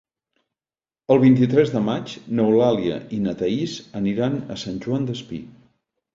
El vint-i-tres de maig n'Eulàlia i na Thaís aniran a Sant Joan Despí.